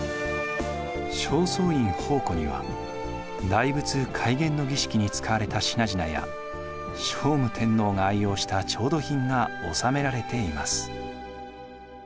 正倉院宝庫には大仏開眼の儀式に使われた品々や聖武天皇が愛用した調度品が収められています。